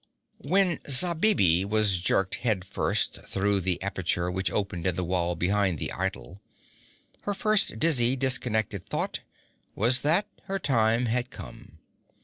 When Zabibi was jerked head first through the aperture which opened in the wall behind the idol, her first, dizzy, disconnected thought was that her time had come.